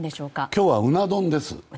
今日は、うな丼です。